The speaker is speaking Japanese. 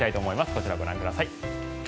こちら、ご覧ください。